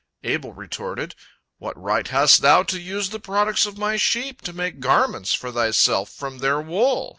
Abel retorted: "What right hast thou to use the products of my sheep, to make garments for thyself from their wool?